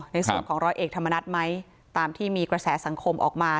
ในส่วนของร้อยเอกธรรมนัฐไหมตามที่มีกระแสสังคมออกมา